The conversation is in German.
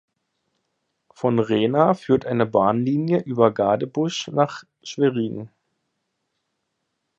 Von Rehna führt eine Bahnlinie über Gadebusch nach Schwerin.